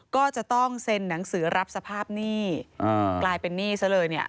ก็จะต้องเซ็นหนังสือรับสภาพหนี้กลายเป็นหนี้ซะเลยเนี่ย